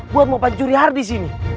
buat mau pancuri harddisk ini